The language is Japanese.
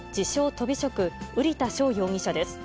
とび職、瓜田翔容疑者です。